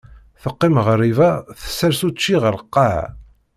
Teqim ɣriba, tessers učči ɣer lqaɛa.